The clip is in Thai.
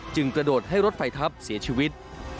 กระโดดให้รถไฟทับเสียชีวิต